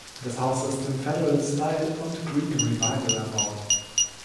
Das Haus ist im Federal Style und Greek Revival erbaut.